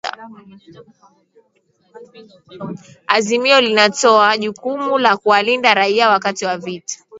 azimio linatoa jukumu la kuwalinda raia wakati wa vita